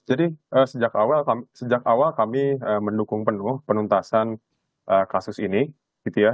jadi sejak awal kami mendukung penuh penuntasan kasus ini gitu ya